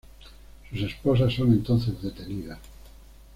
Sus esposas son entonces detenidas.